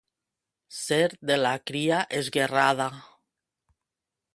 Ser de la cria esguerrada.